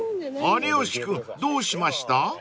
［有吉君どうしました？］